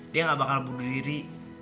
dia gak bakal bunuh diri